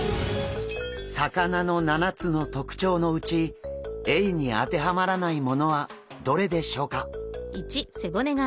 魚の７つの特徴のうちエイに当てはまらないものはどれでしょうか？